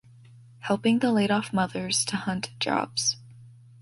Helping the laid-off mothers to hunt jobs.